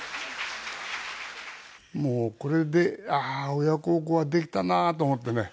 もうこれで「ああ親孝行はできたな」と思ってね。